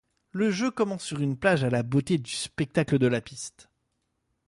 Le jeu commence sur une plage à la beauté du spectacle de la piste.